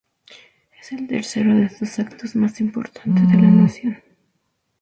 Es el tercero de estos actos más importante de la nación.